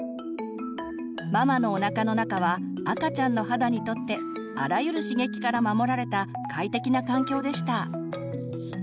ママのおなかの中は赤ちゃんの肌にとってあらゆる刺激から守られた快適な環境でした。